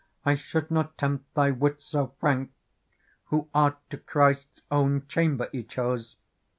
I should not tempt thy wit so frank. Who art to Christ's own chamber y chose.